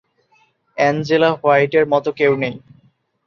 Angela হোয়াইটের মতো কেউ নেই।